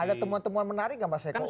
ada temuan temuan menarik kan pak seko